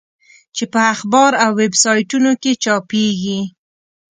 چې په اخبار او ویب سایټونو کې چاپېږي.